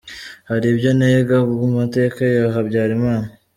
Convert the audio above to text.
Hali ibyo nenga ku mateka ya Habyalimana.